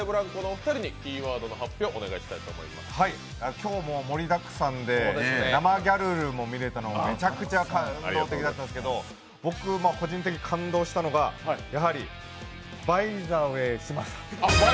今日ももりだくさんで生ギャルルを見れたのもめちゃくちゃ感動的だったんですけど、僕、個人的に感動したのがこちら。